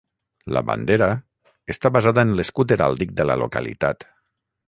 La bandera està basada en l'escut heràldic de la localitat.